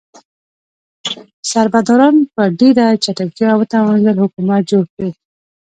سربداران په ډیره چټکتیا وتوانیدل حکومت جوړ کړي.